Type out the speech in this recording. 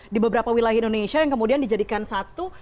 di beberapa wilayah indonesia yang kemudian dijadikan satu